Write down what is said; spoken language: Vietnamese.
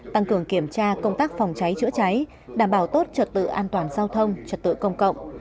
tăng cường kiểm tra công tác phòng cháy chữa cháy đảm bảo tốt trật tự an toàn giao thông trật tự công cộng